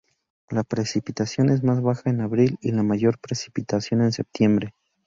La precipitación es más baja en abril y la mayor precipitación en septiembre.